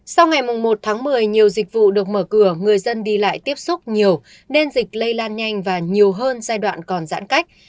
sau ngày một tháng một mươi nhiều dịch vụ được mở cửa người dân đi lại tiếp xúc nhiều nên dịch lây lan nhanh và nhiều hơn giai đoạn còn giãn cách